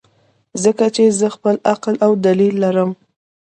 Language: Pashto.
ځکه چې زۀ خپل عقل او دليل لرم -